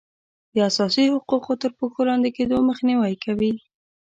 د اساسي حقوقو تر پښو لاندې کیدو مخنیوی کوي.